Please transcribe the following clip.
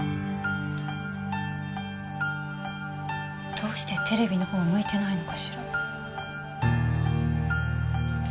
どうしてテレビの方を向いてないのかしら。